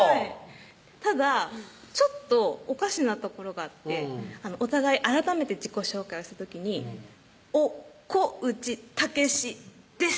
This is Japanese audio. ただちょっとおかしなところがあってお互い改めて自己紹介をした時に「お・こ・う・じ・た・け・しです」